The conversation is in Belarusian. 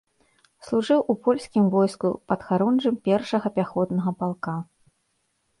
Служыў у польскім войску падхарунжым першага пяхотнага палка.